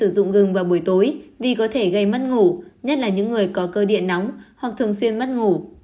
dụng ngừng vào buổi tối vì có thể gây mất ngủ nhất là những người có cơ điện nóng hoặc thường xuyên mất ngủ